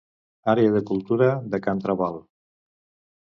Àrea de cultura de Can Trabal.